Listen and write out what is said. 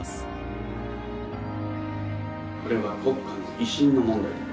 これは国家の威信の問題でもある。